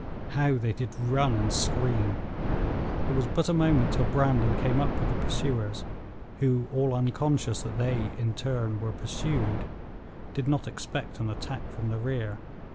How they did run and scream! It was but a moment till Brandon came up with the pursuers, who, all unconscious that they in turn were pursued, did not expect an attack from the rear.